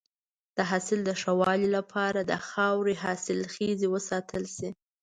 د حاصل د ښه والي لپاره د خاورې حاصلخیزی وساتل شي.